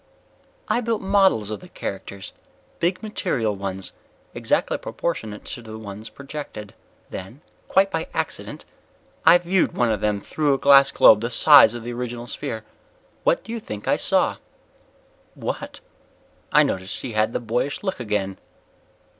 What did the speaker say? "I built models of the characters. Big material ones, exactly proportionate to the ones projected. Then quite by accident I viewed one of them through a glass globe the size of the original sphere. What do you think I saw?" "What?" I noticed he had the boyish look again.